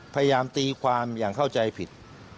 พยายามตีความอย่างเข้าใจผิด